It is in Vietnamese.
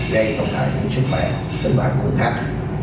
gây tổng hại những sức mạnh sức mạnh vừa khác